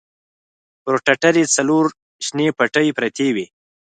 پر ټټر يې څلور شنې پټې پرتې وې.